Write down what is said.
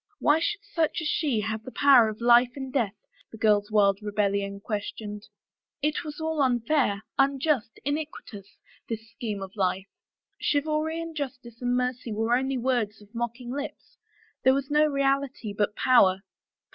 Why should such as she have the power of life and death, the girl's wild rebellion questioned. It was all unfair, unjust, iniquitous, this scheme of life! Chivalry and justice and mercy were only words of mocking lips. There was no reality but power.